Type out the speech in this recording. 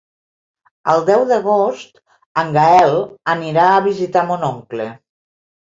El deu d'agost en Gaël anirà a visitar mon oncle.